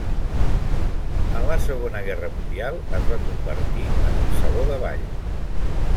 En la Segona Guerra Mundial es va convertir en un saló de ball.